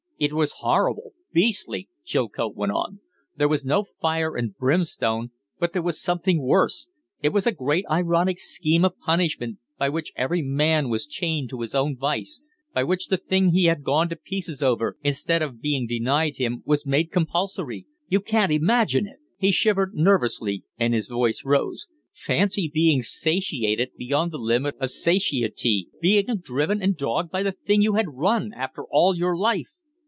"It was horrible beastly," Chilcote went on. "There was no fire and brimstone, but there was something worse. It was a great ironic scheme of punishment by which every man was chained to his own vice by which the thing he had gone to pieces over, instead of being denied him, was made compulsory. You can't imagine it." He shivered nervously and his voice rose. "Fancy being satiated beyond the limit of satiety, being driven and dogged by the thing you had run after all your life!"